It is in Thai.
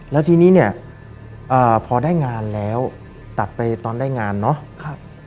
แล้วทีนี้เนี่ยพอได้งานแล้วตัดไปตอนได้งานเนาะ